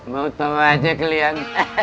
mau sama aja kalian